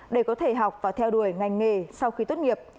để có thể học và theo đuổi ngành nghề sau khi tốt nghiệp